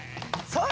そう！